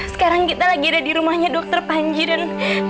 sekarang kita lagi ada di rumahnya dr panji dan